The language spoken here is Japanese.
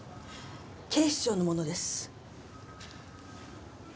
警視庁の者です。